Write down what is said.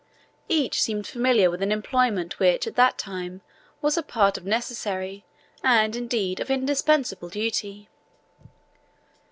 Each seemed familiar with an employment which at that time was a part of necessary and, indeed, of indispensable duty.